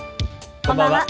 こんばんは。